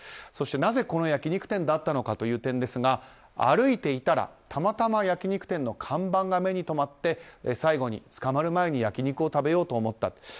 そして、なぜこの焼き肉店だったのかという点ですが歩いていたらたまたま焼き肉店の看板が目に留まって最後に捕まる前に焼き肉を食べようと思ったと。